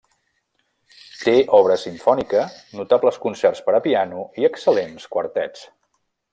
Té obra simfònica, notables concerts per a piano i excel·lents quartets.